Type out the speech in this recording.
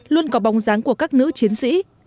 luôn có bóng dáng của các nữ chiến sĩ